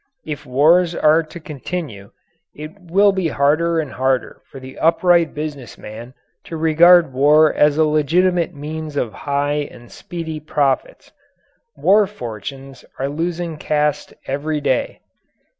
If wars are to continue, it will be harder and harder for the upright business man to regard war as a legitimate means of high and speedy profits. War fortunes are losing caste every day.